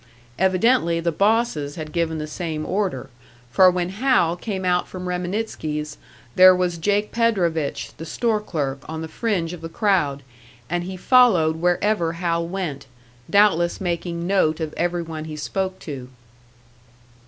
Evidently the bosses had given the same order; for when Hal came out from Reminitsky's, there was "Jake" Predovich, the store clerk, on the fringe of the crowd, and he followed wherever Hal went, doubtless making note of every one he spoke to.